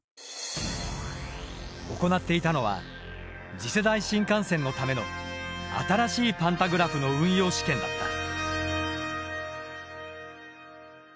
行っていたのは次世代新幹線のための新しいパンタグラフの運用試験だった。